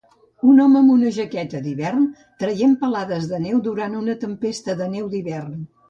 Un home amb una jaqueta d'hivern traient palades de neu durant una tempesta de neu d'hivern.